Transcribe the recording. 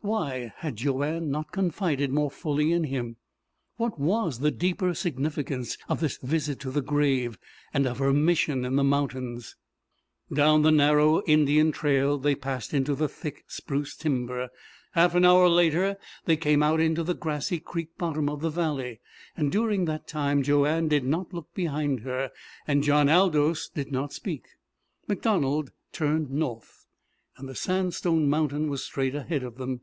Why had Joanne not confided more fully in him? What was the deeper significance of this visit to the grave, and of her mission in the mountains? Down the narrow Indian trail they passed into the thick spruce timber. Half an hour later they came out into the grassy creek bottom of the valley. During that time Joanne did not look behind her, and John Aldous did not speak. MacDonald turned north, and the sandstone mountain was straight ahead of them.